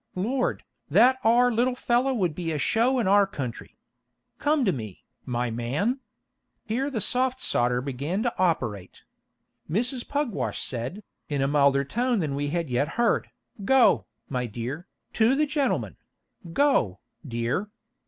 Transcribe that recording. Lord! that are little feller would be a show in our country. Come to me, my man." Here the "soft sawder" began to operate. Mrs. Pugwash said, in a milder tone than we had yet heard, "Go, my dear, to the gentleman; go, dear."